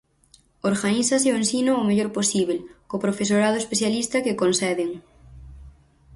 Organízase o ensino o mellor posíbel co profesorado especialista que conceden.